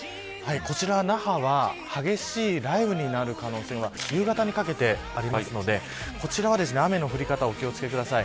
こちら那覇は激しい雷雨になる可能性が夕方にかけてありますのでこちらは雨の降り方お気を付けください。